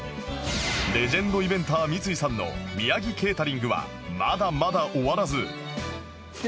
レジェンドイベンター三井さんの宮城ケータリングはまだまだ終わらず